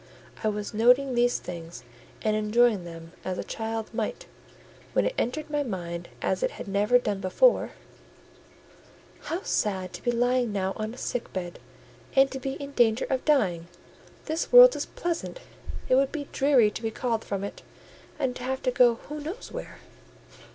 I was noting these things and enjoying them as a child might, when it entered my mind as it had never done before:— "How sad to be lying now on a sick bed, and to be in danger of dying! This world is pleasant—it would be dreary to be called from it, and to have to go who knows where?"